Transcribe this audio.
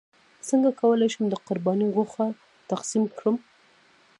څنګه کولی شم د قرباني غوښه تقسیم کړم